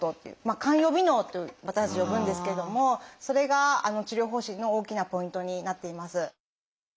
「肝予備能」って私たち呼ぶんですけどもそれが治療方針の大きなポイントになっています。